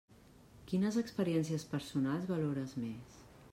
Quines experiències personals valores més?